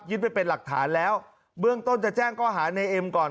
ไปเป็นหลักฐานแล้วเบื้องต้นจะแจ้งข้อหาในเอ็มก่อน